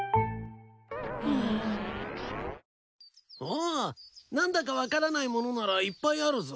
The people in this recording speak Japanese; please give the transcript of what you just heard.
ああ何だか分からないものならいっぱいあるぞ。